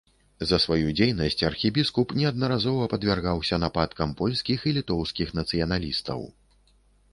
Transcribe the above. За сваю дзейнасць архібіскуп неаднаразова падвяргаўся нападкам польскіх і літоўскіх нацыяналістаў.